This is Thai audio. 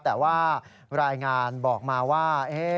แต่ว่ารายงานบอกมาว่า